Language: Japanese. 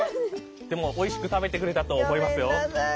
でもおいしく食べてくれたと思いますよ。